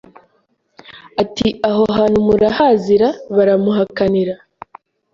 ati “Aho hantu murahazi ra?” Baramuhakanira